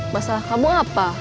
masalah kamu apa